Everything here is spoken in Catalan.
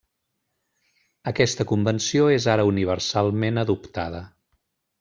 Aquesta convenció és ara universalment adoptada.